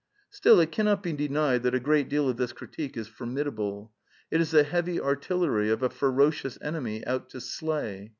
Still, it cannot be denied that a great deal of this critique is formidable. It is the heavy artillery of a ferocious enemy out to slay.